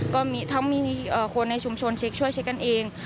ก็เกิดมีคนในชุมชนไชค์ช่วยไชค์กันเอง